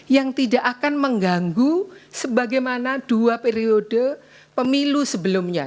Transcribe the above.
yang tidak akan mengganggu sebagaimana dua periode pemilu sebelumnya